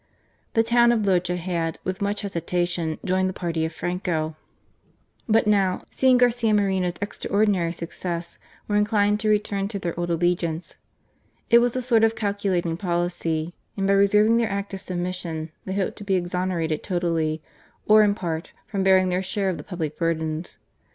The town of Loja had, with much hesitation, joined the party of Franco ; but now, seeing Garcia Moreno's extraordinary success, were inclined to return to their old allegiance. It was a sort of calculating policy ; and by reserving their act of submission, they hoped to be exonerated totally, or in part, from bearing their share of the public burdens.